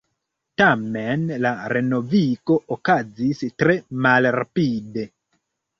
Tamen la renovigo okazis tre malrapide.